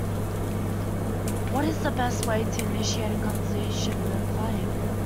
What is the best way to initiate a conversation with a client?